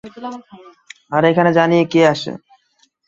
আরে এখানে জানিয়ে কে আসে?